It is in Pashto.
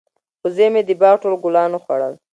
وزې مې د باغ ټول ګلان وخوړل.